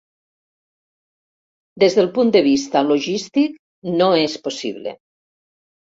Des del punt de vista logístic, no és possible.